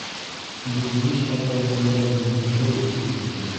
Гөлйемеш апайҙың йөрәге жыу итеп китте.